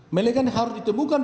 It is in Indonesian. mereka harus ditemukan